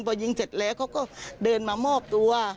พอยิงเสร็จแล้วเขาก็เดินมามอบตัว